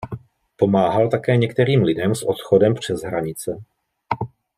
Pomáhal také některým lidem s odchodem přes hranice.